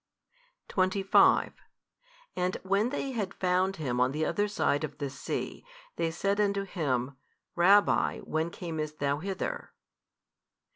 25 And when they had found Him on the other side of the sea, they said unto Him, Rabbi when camest Thou hither?